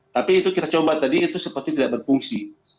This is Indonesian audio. tapi itu kita coba tadi itu seperti tidak berfungsi